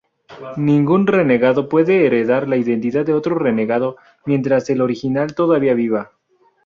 Ningún renegado puede heredar la identidad de otro renegado, mientras el original todavía viva.